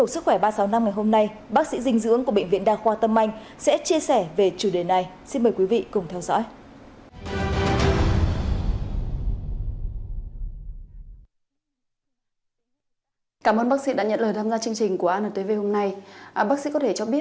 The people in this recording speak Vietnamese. xin mời quý vị cùng theo dõi